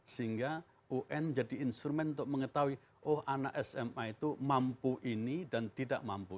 sehingga un jadi instrumen untuk mengetahui oh anak sma itu mampu ini dan tidak mampu